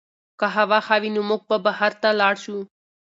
که هوا ښه وي نو موږ به بهر ته لاړ شو.